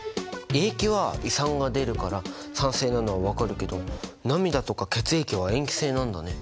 胃液は胃酸が出るから酸性なのは分かるけど涙とか血液は塩基性なんだね。